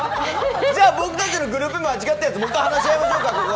僕たちのグループ名間違ったこと、もう一回話し合いましょうか。